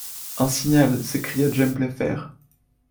Un signal! s’écria James Playfair.